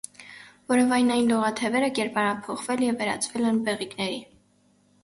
Որովայնային լողաթևերը կերպարանափոխվել և վերածվել են բեղիկների։